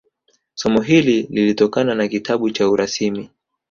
Somo hili lilitokana na kitabu cha urasimi